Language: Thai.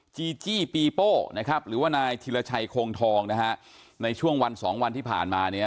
จีจี้ปีโป้หรือว่านายธิรัชัยโคงทองในช่วงวันสองวันที่ผ่านมา